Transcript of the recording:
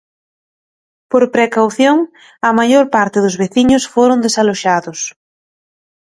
Por precaución, a maior parte dos veciños foron desaloxados.